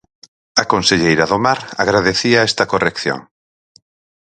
A conselleira do Mar agradecía esta corrección.